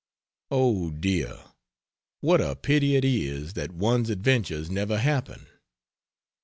Oh dear, what a pity it is that one's adventures never happen!